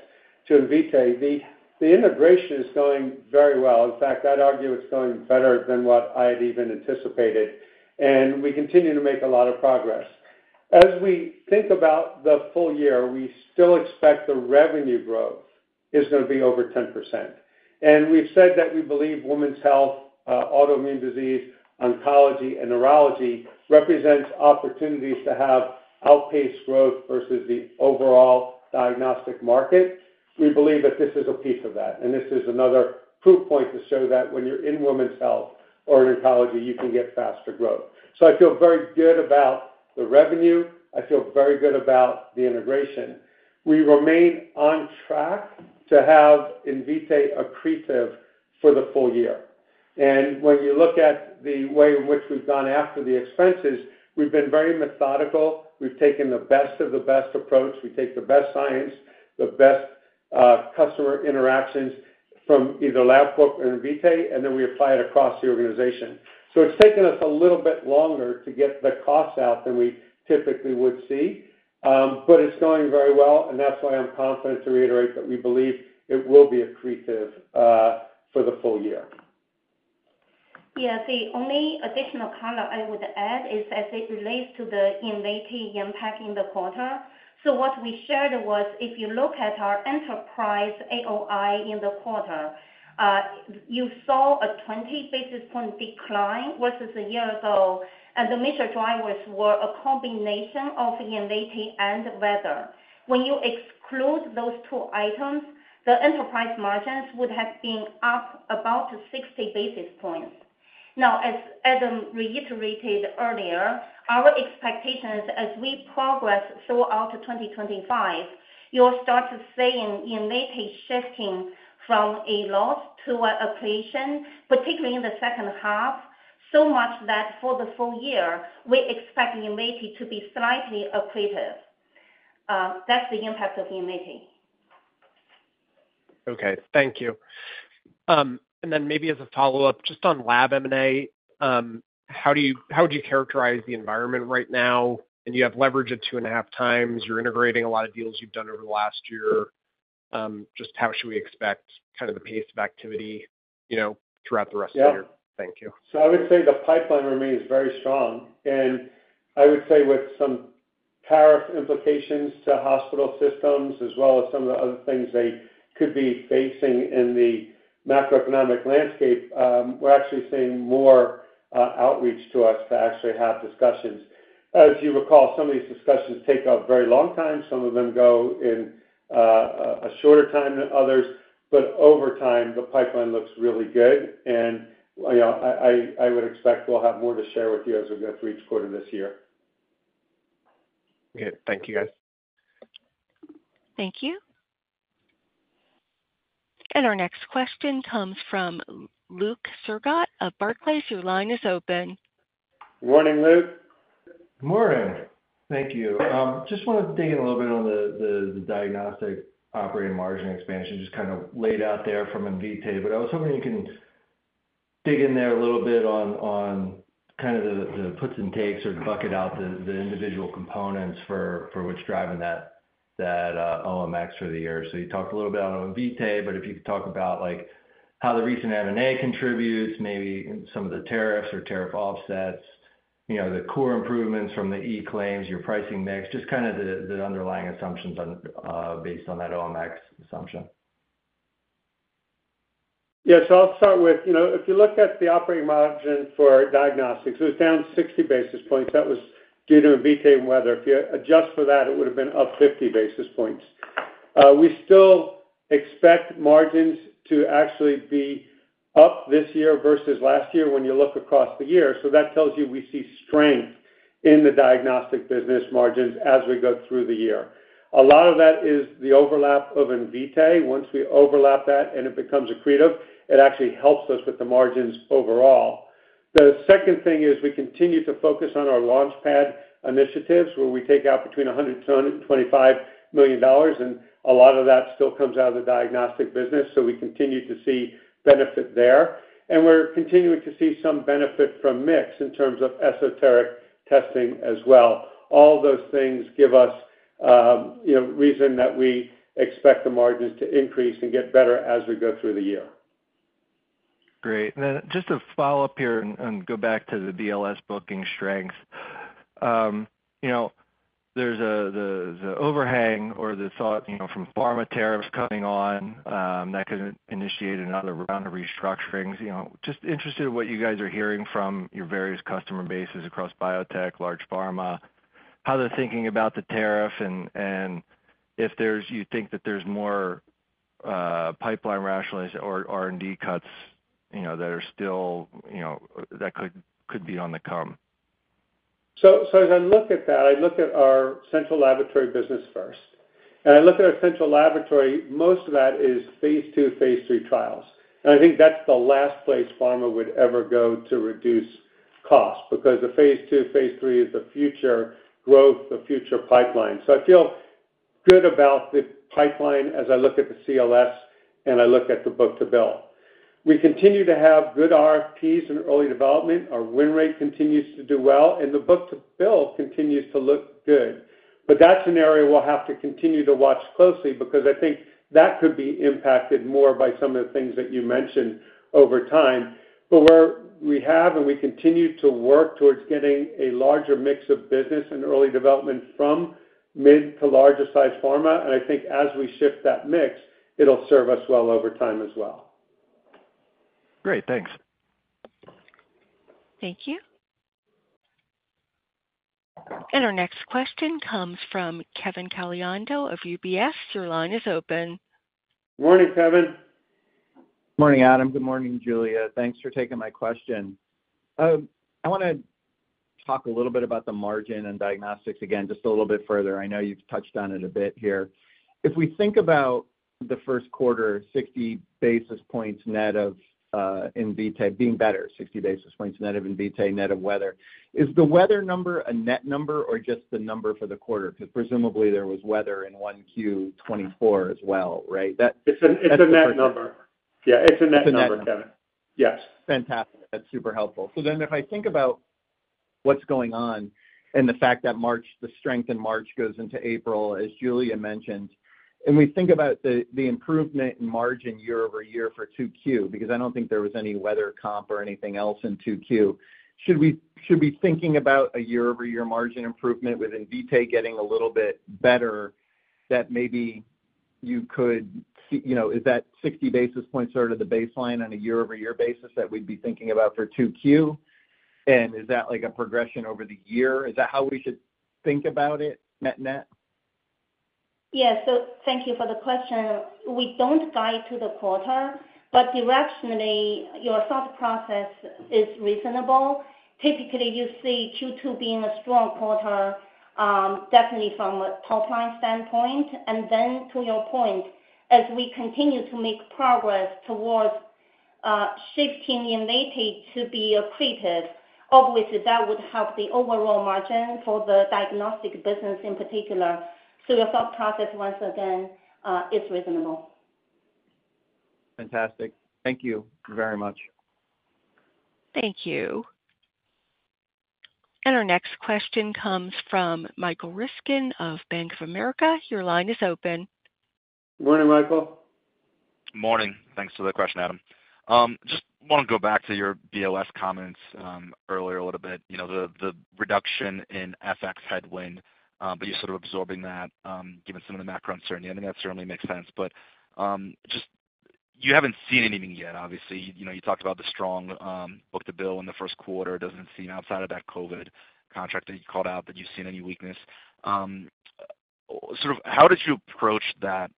to Invitae. The integration is going very well. In fact, I'd argue it's going better than what I had even anticipated. We continue to make a lot of progress. As we think about the full year, we still expect the revenue growth is going to be over 10%. We've said that we believe women's health, autoimmune disease, oncology, and neurology represents opportunities to have outpaced growth versus the overall diagnostic market. We believe that this is a piece of that, and this is another proof point to show that when you're in women's health or in oncology, you can get faster growth. I feel very good about the revenue. I feel very good about the integration. We remain on track to have Invitae accretive for the full year. When you look at the way in which we've gone after the expenses, we've been very methodical. We've taken the best of the best approach, We take the best science, the best customer interactions from either Labcorp or Invitae, and then we apply it across the organization. It's taken us a little bit longer to get the costs out than we typically would see, but it's going very well, and that's why I'm confident to reiterate that we believe it will be accretive for the full year. Yeah. The only additional comment I would add is as it relates to the innovative impact in the quarter. What we shared was if you look at our enterprise AOI in the quarter, you saw a 20 basis point decline versus a year ago, and the major drivers were a combination of innovative and weather. When you exclude those two items, the enterprise margins would have been up about 60 basis points. Now, as Adam reiterated earlier, our expectations as we progress throughout 2025, you'll start to see innovative shifting from a loss to an accretion, particularly in the second half, so much that for the full year, we expect innovative to be slightly accretive. That's the impact of innovative. Okay. Thank you. Maybe as a follow-up, just on lab M&A, how would you characterize the environment right now? You have leverage at two and a half times. You're integrating a lot of deals you've done over the last year. Just how should we expect kind of the pace of activity throughout the rest of the year? Thank you. I would say the pipeline remains very strong. I would say with some tariff implications to hospital systems as well as some of the other things they could be facing in the macroeconomic landscape, we're actually seeing more outreach to us to actually have discussions. As you recall, some of these discussions take a very long time. Some of them go in a shorter time than others, but over time, the pipeline looks really good. I would expect we'll have more to share with you as we go through each quarter this year. Okay. Thank you. Thank you. Our next question comes from Luke Sergott of Barclays your line is open. Good morning, Luke. Good morning. Thank you. Just wanted to dig in a little bit on the diagnostic operating margin expansion, just kind of laid out there from Invitae, but I was hoping you can dig in there a little bit on kind of the puts and takes or bucket out the individual components for which driving that OMX for the year. You talked a little bit on Invitae, but if you could talk about how the recent M&A contributes, maybe some of the tariffs or tariff offsets, the core improvements from the eClaim Assist, your pricing mix, just kind of the underlying assumptions based on that OMX assumption. Yeah. I'll start with if you look at the operating margin for diagnostics, it was down 60 basis points. That was due to Invitae and weather. If you adjust for that, it would have been up 50 basis points. We still expect margins to actually be up this year versus last year when you look across the year. That tells you we see strength in the diagnostic business margins as we go through the year. A lot of that is the overlap of Invitae. Once we overlap that and it becomes accretive, it actually helps us with the margins overall. The second thing is we continue to focus on our LaunchPad initiatives where we take out between $100 million-$125 million, and a lot of that still comes out of the diagnostic business, so we continue to see benefit there. We're continuing to see some benefit from mix in terms of esoteric testing as well. All of those things give us reason that we expect the margins to increase and get better as we go through the year. Great. Just to follow up here and go back to the BLS booking strength, there's the overhang or the thought from pharma tariffs coming on that could initiate another round of restructurings. Just interested in what you guys are hearing from your various customer bases across biotech, large pharma, how they're thinking about the tariff, and if you think that there's more pipeline rationalization or R&D cuts that are still that could be on the come. As I look at that, I look at our central laboratory business first. I look at our central laboratory, most of that is phase II, phase III trials. I think that's the last place pharma would ever go to reduce cost because the phase II, phase III is the future growth, the future pipeline. I feel good about the pipeline as I look at the CLS and I look at the Book-to-Bill. We continue to have good RFPs and early development. Our win rate continues to do well, and the Book-to-Bill continues to look good. That's an area we'll have to continue to watch closely because I think that could be impacted more by some of the things that you mentioned over time. We have and we continue to work towards getting a larger mix of business and early development from mid to larger size pharma. I think as we shift that mix, it'll serve us well over time as well. Great. Thanks. Thank you. Our next question comes from Kevin Caliendo of UBS. Your line is open. Morning, Kevin. Morning, Adam. Good morning, Julia. Thanks for taking my question. I want to talk a little bit about the margin and diagnostics again, just a little bit further. I know you've touched on it a bit here. If we think about the first quarter, 60 basis points net of Invitae being better, 60 basis points net of Invitae, net of weather, is the weather number a net number or just the number for the quarter? Because presumably there was weather in 1Q 2024 as well, right? It's a net number. Yeah. It's a net number, Kevin. Yes. Fantastic. That's super helpful. If I think about what's going on and the fact that the strength in March goes into April, as Julia mentioned, and we think about the improvement in margin year-over-year for 2Q because I don't think there was any weather comp or anything else in 2Q? Should we be thinking about a year-over-year margin improvement with Invitae getting a little bit better that maybe you could see? Is that 60 basis points sort of the baseline on a year-over-year basis that we'd be thinking about for 2Q? Is that a progression over the year? Is that how we should think about it, net-net? Yeah. Thank you for the question. We don't guide to the quarter, but directionally, your thought process is reasonable. Typically, you see Q2 being a strong quarter, definitely from a top-line standpoint. To your point, as we continue to make progress towards shifting Invitae to be accretive, obviously that would help the overall margin for the diagnostic business in particular. Your thought process, once again, is reasonable. Fantastic. Thank you very much. Thank you. Our next question comes from Michael Ryskin of Bank of America. Your line is open. Morning, Michael. Morning. Thanks for the question, Adam. Just want to go back to your BLS comments earlier a little bit, the reduction in FX headwind, but you're sort of absorbing that given some of the macro uncertainty. I think that certainly makes sense. You haven't seen anything yet, obviously. You talked about the strong Book-to-Bill in the first quarter. It doesn't seem outside of that COVID contract that you called out that you've seen any weakness. Sort of how did you approach that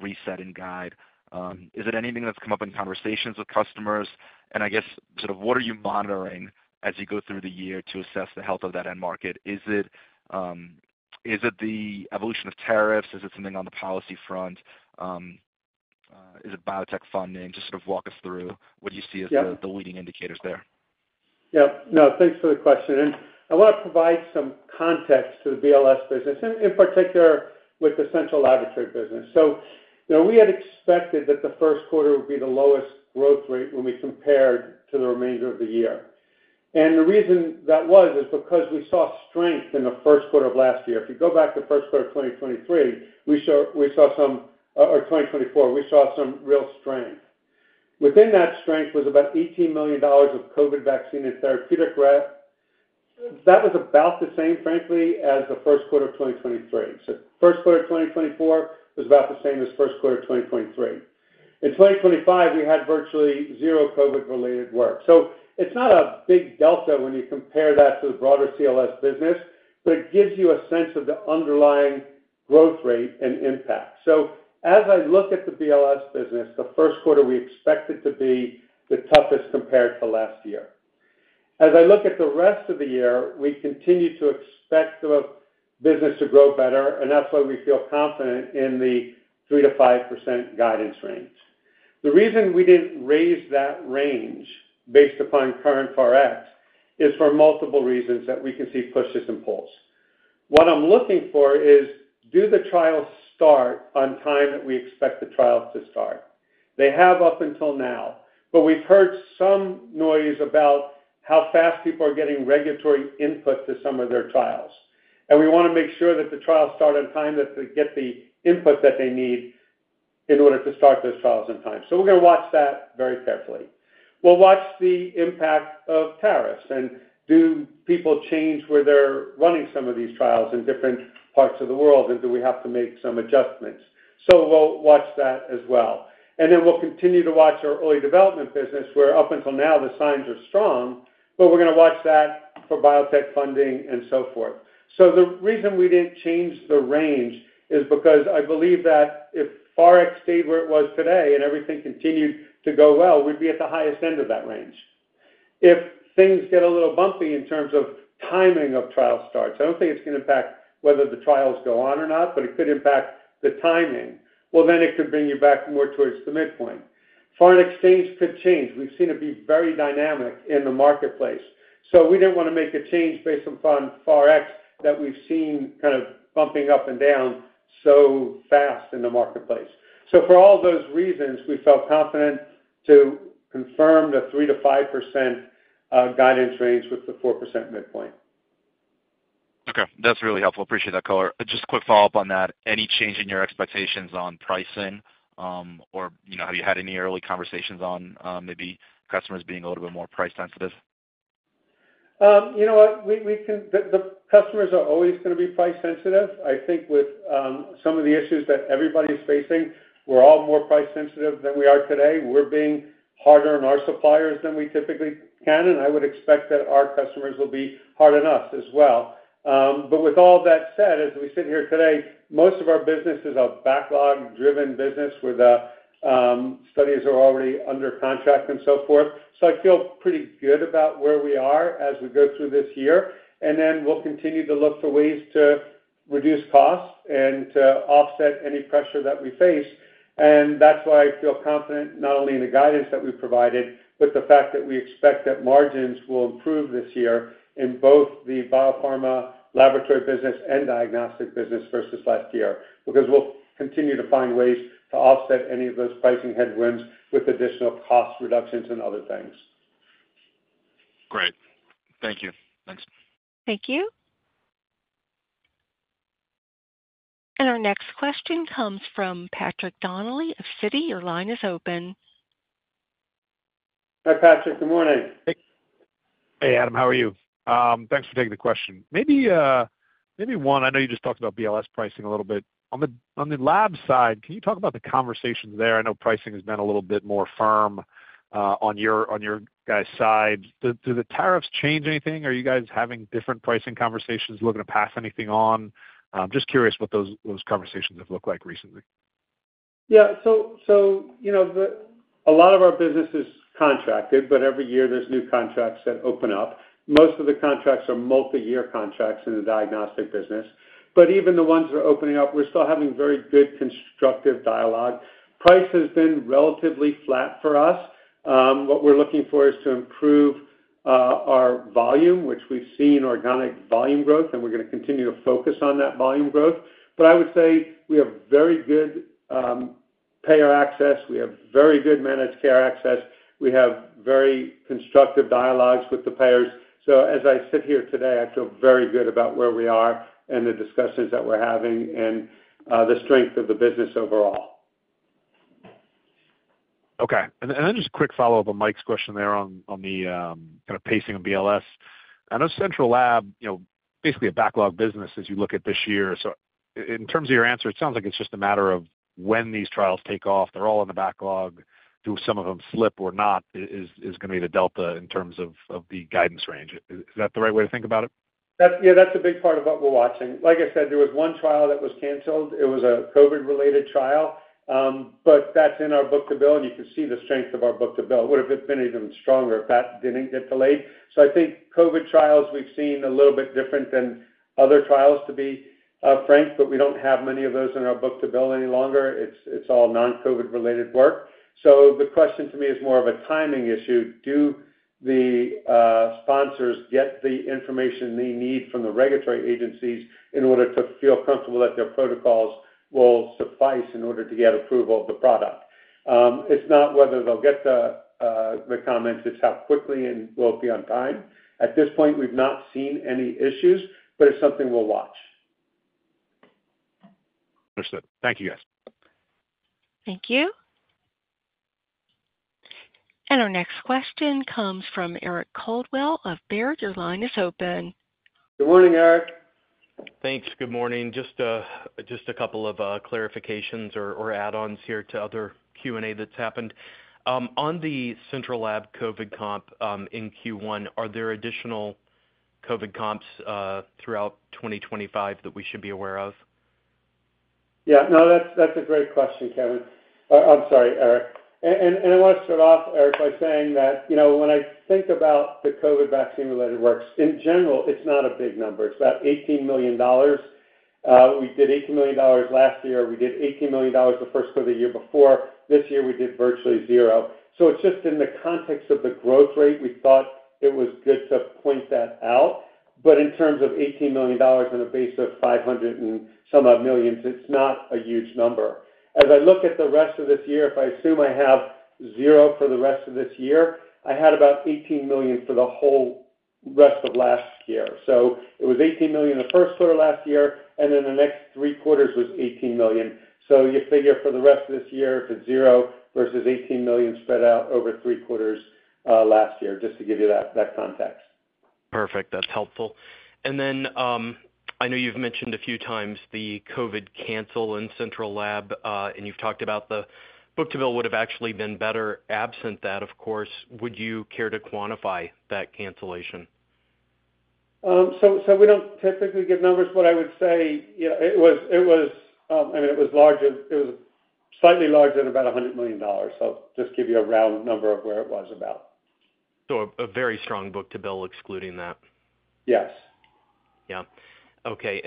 reset and guide? Is it anything that's come up in conversations with customers? I guess sort of what are you monitoring as you go through the year to assess the health of that end market? Is it the evolution of tariffs? Is it something on the policy front? Is it biotech funding? Just sort of walk us through what you see as the leading indicators there. Yeah. No, thanks for the question. I want to provide some context to the BLS business, in particular with the central laboratory business. We had expected that the first quarter would be the lowest growth rate when we compared to the remainder of the year. The reason that was is because we saw strength in the first quarter of last year. If you go back to the first quarter of 2023, we saw some, or 2024, we saw some real strength. Within that strength was about $18 million of COVID vaccine and therapeutic rep. That was about the same, frankly, as the first quarter of 2023. First quarter of 2024 was about the same as first quarter of 2023. In 2025, we had virtually zero COVID-related work. It is not a big delta when you compare that to the broader CLS business, but it gives you a sense of the underlying growth rate and impact. As I look at the BLS business, the first quarter we expected to be the toughest compared to last year. As I look at the rest of the year, we continue to expect the business to grow better, and that is why we feel confident in the 3%-5% guidance range. The reason we did not raise that range based upon current FX is for multiple reasons that we can see pushes and pulls. What I am looking for is, do the trials start on time that we expect the trials to start? They have up until now, but we have heard some noise about how fast people are getting regulatory input to some of their trials. We want to make sure that the trials start on time, that they get the input that they need in order to start those trials on time. We are going to watch that very carefully. We will watch the impact of tariffs and do people change where they are running some of these trials in different parts of the world, and do we have to make some adjustments? We will watch that as well. We will continue to watch our early development business where up until now the signs are strong, but we are going to watch that for biotech funding and so forth. The reason we did not change the range is because I believe that if FX stayed where it was today and everything continued to go well, we would be at the highest end of that range. If things get a little bumpy in terms of timing of trial starts, I don't think it's going to impact whether the trials go on or not, but it could impact the timing. It could bring you back more towards the midpoint. Foreign exchange could change. We've seen it be very dynamic in the marketplace. We didn't want to make a change based upon FX that we've seen kind of bumping up and down so fast in the marketplace. For all those reasons, we felt confident to confirm the 3%-5% guidance range with the 4% midpoint. Okay. That's really helpful. Appreciate that color. Just a quick follow-up on that. Any change in your expectations on pricing, or have you had any early conversations on maybe customers being a little bit more price sensitive? You know what? The customers are always going to be price sensitive. I think with some of the issues that everybody's facing, we're all more price sensitive than we are today. We're being harder on our suppliers than we typically can, and I would expect that our customers will be hard on us as well. With all that said, as we sit here today, most of our business is a backlog-driven business where the studies are already under contract and so forth. I feel pretty good about where we are as we go through this year. We will continue to look for ways to reduce costs and to offset any pressure that we face. That's way I feel confident not only in the guidance that we provided, but the fact that we expect that margins will improve this year in both the biopharma laboratory business and diagnostic business versus last year because we will continue to find ways to offset any of those pricing headwinds with additional cost reductions and other things. Great. Thank you. Thanks. Thank you. Our next question comes from Patrick Donnelly of Citi. Your line is open. Hi, Patrick. Good morning. Hey, Adam. How are you? Thanks for taking the question. Maybe one, I know you just talked about BLS pricing a little bit. On the lab side, can you talk about the conversations there? I know pricing has been a little bit more firm on your guys' side. Do the tariffs change anything? Are you guys having different pricing conversations, looking to pass anything on? Just curious what those conversations have looked like recently. Yeah. A lot of our business is contracted, but every year there's new contracts that open up. Most of the contracts are multi-year contracts in the diagnostic business. Even the ones that are opening up, we're still having very good constructive dialogue. Price has been relatively flat for us. What we're looking for is to improve our volume, which we've seen organic volume growth, and we're going to continue to focus on that volume growth. I would say we have very good payer access. We have very good managed care access. We have very constructive dialogues with the payers. As I sit here today, I feel very good about where we are and the discussions that we're having and the strength of the business overall. Okay. Just a quick follow-up on Mike's question there on the kind of pacing of BLS. I know central lab, basically a backlog business as you look at this year. In terms of your answer, it sounds like it's just a matter of when these trials take off. They're all in the backlog. Do some of them slip or not is going to be the delta in terms of the guidance range. Is that the right way to think about it? Yeah. That's a big part of what we're watching. Like I said, there was one trial that was canceled. It was a COVID-related trial, but that's in our Book-to-Bill, and you can see the strength of our Book-to-Bill. It would have been even stronger if that didn't get delayed. I think COVID trials we've seen a little bit different than other trials, to be frank, but we don't have many of those in our Book-to-Bill any longer. It's all non-COVID-related work. The question to me is more of a timing issue. Do the sponsors get the information they need from the regulatory agencies in order to feel comfortable that their protocols will suffice in order to get approval of the product? It's not whether they'll get the comments. It's how quickly and will it be on time? At this point, we've not seen any issues, but it's something we'll watch. Understood. Thank you, guys. Thank you. Our next question comes from Eric Caldwell of Baird. Your line is open. Good morning, Eric. Thanks. Good morning. Just a couple of clarifications or add-ons here to other Q&A that's happened. On the central lab COVID comp in Q1, are there additional COVID comps throughout 2025 that we should be aware of? Yeah. No, that's a great question, Kevin. I'm sorry, Eric. I want to start off, Eric, by saying that when I think about the COVID vaccine-related works, in general, it's not a big number. It's about $18 million. We did $18 million last year. We did $18 million the first quarter of the year before. This year, we did virtually zero. It is just in the context of the growth rate, we thought it was good to point that out. In terms of $18 million on a base of $500 and some odd millions, it's not a huge number. As I look at the rest of this year, if I assume I have zero for the rest of this year, I had about $18 million for the whole rest of last year. It was $18 million in the first quarter last year, and then the next three quarters was $18 million. You figure for the rest of this year, if it is zero versus $18 million spread out over three quarters last year, just to give you that context. Perfect. That's helpful. I know you've mentioned a few times the COVID cancel in central lab, and you've talked about the Book-to-Bill would have actually been better absent that, of course. Would you care to quantify that cancellation? We do not typically give numbers, but I would say it was, I mean, it was larger. It was slightly larger than about $100 million. Just to give you a round number of where it was about. A very strong Book-to-Bill excluding that? Yes. Yeah. Okay.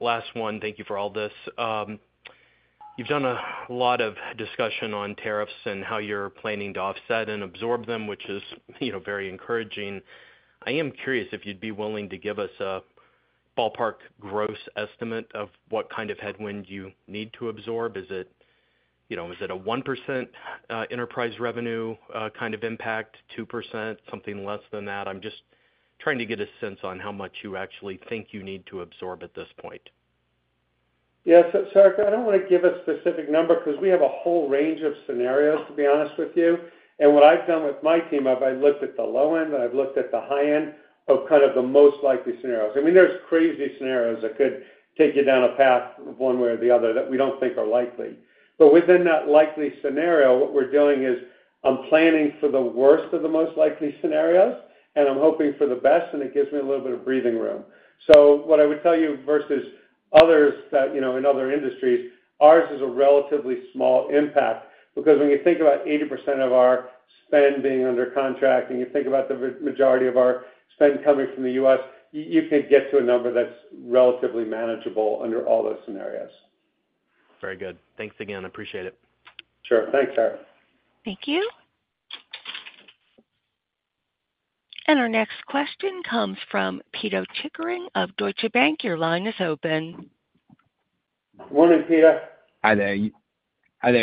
Last one, thank you for all this. You've done a lot of discussion on tariffs and how you're planning to offset and absorb them, which is very encouraging. I am curious if you'd be willing to give us a ballpark gross estimate of what kind of headwind you need to absorb. Is it a 1% enterprise revenue kind of impact, 2%, something less than that? I'm just trying to get a sense on how much you actually think you need to absorb at this point. Yeah. I do not want to give a specific number because we have a whole range of scenarios, to be honest with you. What I have done with my team, I have looked at the low end, and I have looked at the high end of kind of the most likely scenarios. I mean, there are crazy scenarios that could take you down a path one way or the other that we do not think are likely. Within that likely scenario, what we are doing is I am planning for the worst of the most likely scenarios, and I am hoping for the best, and it gives me a little bit of breathing room. What I would tell you versus others in other industries, ours is a relatively small impact because when you think about 80% of our spend being under contract and you think about the majority of our spend coming from the U.S., you can get to a number that's relatively manageable under all those scenarios. Very good. Thanks again. I appreciate it. Sure. Thanks, Eric. Thank you. Our next question comes from Peter Chickering of Deutsche Bank. Your line is open. Morning, Peter. Hi there.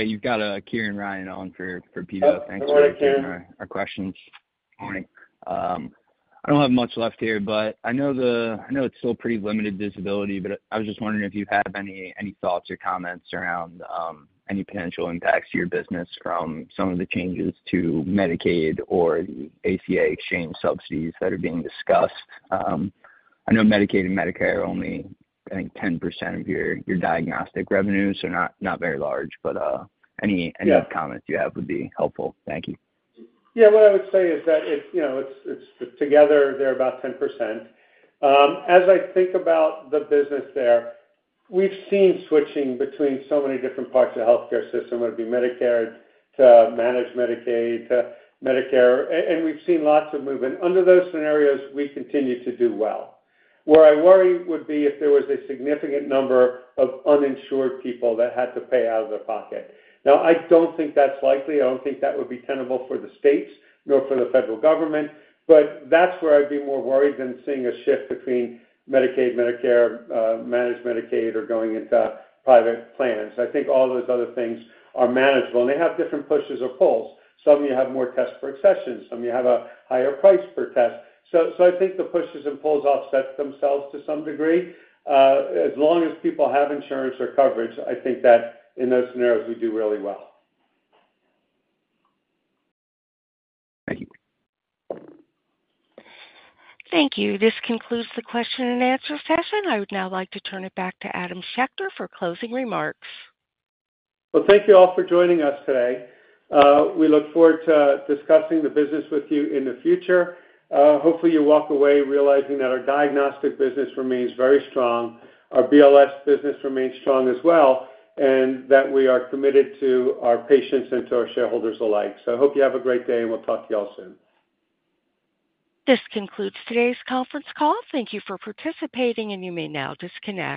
You've got Kieran Ryan on for Peter. Thanks for taking our questions. I don't have much left here, but I know it's still pretty limited visibility, but I was just wondering if you have any thoughts or comments around any potential impacts to your business from some of the changes to Medicaid or the ACA exchange subsidies that are being discussed. I know Medicaid and Medicare are only, I think, 10% of your diagnostic revenue, so not very large, but any comments you have would be helpful. Thank you. Yeah. What I would say is that it's together, they're about 10%. As I think about the business there, we've seen switching between so many different parts of the healthcare system, whether it be Medicare to managed Medicaid to Medicare, and we've seen lots of movement. Under those scenarios, we continue to do well. Where I worry would be if there was a significant number of uninsured people that had to pay out of their pocket. Now, I don't think that's likely. I don't think that would be tenable for the states nor for the federal government, but that's where I'd be more worried than seeing a shift between Medicaid, Medicare, managed Medicaid, or going into private plans. I think all those other things are manageable, and they have different pushes or pulls. Some of you have more tests per accession. Some of you have a higher price per test. I think the pushes and pulls offset themselves to some degree. As long as people have insurance or coverage, I think that in those scenarios, we do really well. Thank you. Thank you. This concludes the question and answer session. I would now like to turn it back to Adam Schechter for closing remarks. Thank you all for joining us today. We look forward to discussing the business with you in the future. Hopefully, you walk away realizing that our diagnostic business remains very strong, our BLS business remains strong as well, and that we are committed to our patients and to our shareholders alike. I hope you have a great day, and we'll talk to you all soon. This concludes today's conference call. Thank you for participating, and you may now disconnect.